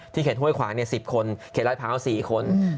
ที่เข็ดห้วยขวาง๑๐คนเข็ดรัฐภาค๔คน